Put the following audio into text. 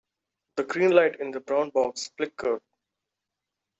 The green light in the brown box flickered.